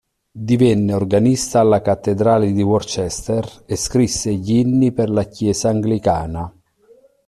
Divenne organista alla Cattedrale di Worcester e scrisse degli inni per la Chiesa anglicana.